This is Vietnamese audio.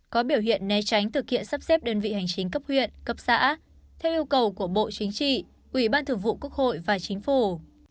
có biểu hiện né tránh thực hiện sắp xếp đơn vị hành chính cấp huyện cấp xã theo yêu cầu của bộ chính trị ủy ban thường vụ quốc hội và chính phủ